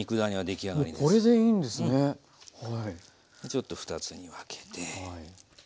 ちょっと２つに分けて。